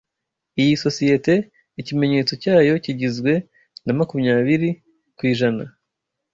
Iyi sosiyete, ikimenyetso cyayo kigizwe na makumyabiri ku ijana